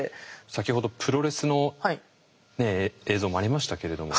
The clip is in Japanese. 先ほどプロレスの映像もありましたけれども。